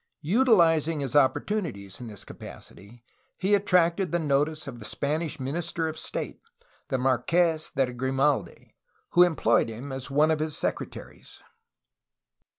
Utilizing his opportunities in this capacity, he attracted the notice of the Spanish Minister of State, the Marques de Grimaldi, who employed him as one of his secretaries.